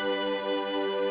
pesek air papi